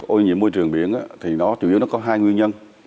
ô nhiễm môi trường biển thì nó chủ yếu có hai nguyên nhân